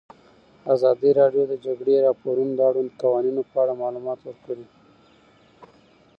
ازادي راډیو د د جګړې راپورونه د اړونده قوانینو په اړه معلومات ورکړي.